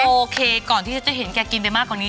โอเคก่อนที่ฉันจะเห็นแกกินไปมากกว่านี้